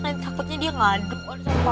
kan takutnya dia ngaduk